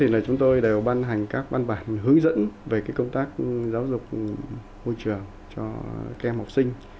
hàng năm thì là chúng tôi đều ban hành các văn bản hướng dẫn về công tác giáo dục môi trường cho các em học sinh